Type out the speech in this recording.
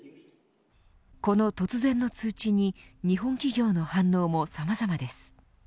この突然の通知に日本企業の反応もさまざまです。